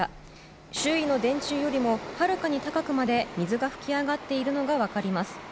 周囲の電柱よりもはるかに高くまで水が噴き上がっているのが分かります。